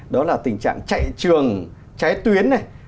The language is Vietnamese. đó là tình trạng chạy trường cháy tuyến này